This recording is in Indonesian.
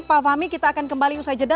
pak fahmi kita akan kembali usai jeda